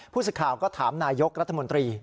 สิทธิ์ข่าวก็ถามนายกรัฐมนตรี